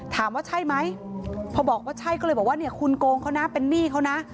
ถามว่าใช่ไหมพอบอกว่าใช่ก็เลยบอกว่าเนี่ยคุณโกงเขานะเป็นหนี้เขานะ